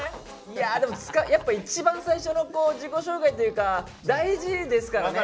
いやでもやっぱ一番最初の自己紹介というか大事ですからね。